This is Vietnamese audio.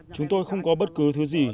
chúng tôi không có bất kỳ thách thức